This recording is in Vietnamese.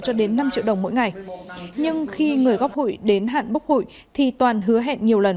cho đến năm triệu đồng mỗi ngày nhưng khi người góp hủy đến hạn bốc hủy thì toàn hứa hẹn nhiều lần